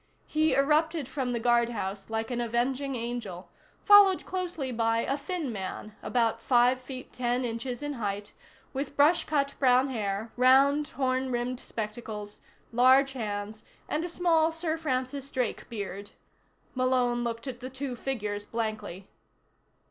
He erupted from the guardhouse like an avenging angel, followed closely by a thin man, about five feet ten inches in height, with brush cut brown hair, round horn rimmed spectacles, large hands and a small Sir Francis Drake beard. Malone looked at the two figures blankly.